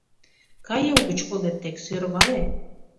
Кае угыч колет дек, сӧрвале